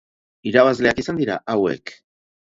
Irabazleak izan dira hauek.